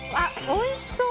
おいしそう！